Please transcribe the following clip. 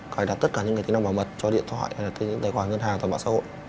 cải đặt tất cả những tính năng bảo vật cho điện thoại hay tài khoản ngân hàng tài khoản xã hội